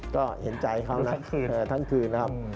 ก็เห็นใจเขาน่ะทั้งคืนทั้งคืนครับ